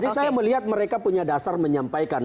saya melihat mereka punya dasar menyampaikan